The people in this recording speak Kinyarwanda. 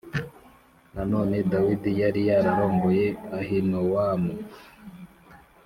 Nanone Dawidi yari yararongoye Ahinowamu